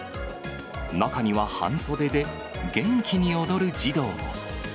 中には、半袖で元気に踊る児童も。